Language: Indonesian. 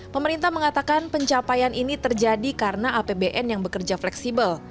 pemerintah mengatakan pencapaian ini terjadi karena apbn yang bekerja fleksibel